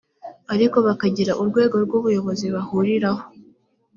ariko bakagira urwego rw ubuyobozi bahuriraho